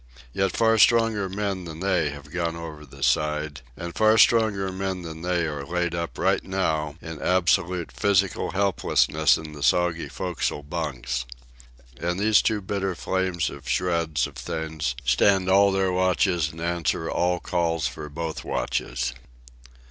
Yet far stronger men than they have gone over the side, and far stronger men than they are laid up right now in absolute physical helplessness in the soggy forecastle bunks. And these two bitter flames of shreds of things stand all their watches and answer all calls for both watches.